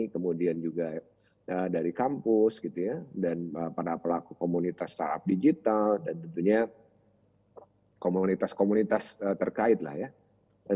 kemudian juga dari kampus gitu ya dan para pelaku komunitas startup digital dan tentunya komunitas komunitas terkait lah ya